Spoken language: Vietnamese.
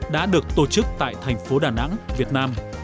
đã được tổ chức tại thành phố đà nẵng việt nam